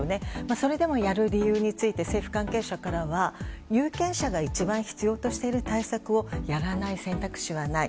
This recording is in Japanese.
それでもやる理由について政府関係者からは有権者が一番必要としている対策をやらない選択肢はない。